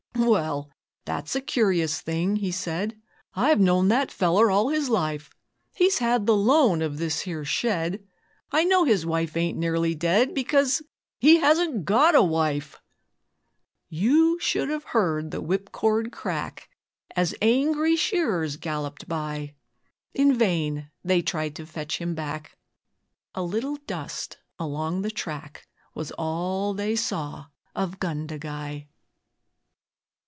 'Well! that's a curious thing,' he said, 'I've known that feller all his life He's had the loan of this here shed! I know his wife ain't nearly dead, Because he HASN'T GOT A WIFE!' ..... You should have heard the whipcord crack As angry shearers galloped by, In vain they tried to fetch him back. A little dust along the track Was all they saw of 'Gundagai'.